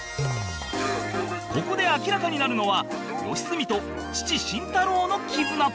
ここで明らかになるのは良純と父慎太郎の絆